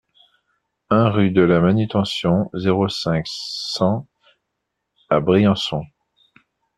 un rue de la Manutention, zéro cinq, cent à Briançon